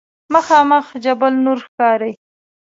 مخامخ جبل نور ښکاري.